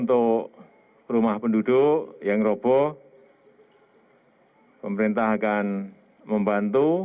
untuk rumah penduduk yang robo pemerintah akan membantu